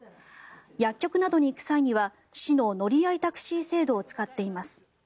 薬局などに行く際には市の乗合タクシー制度を使っています。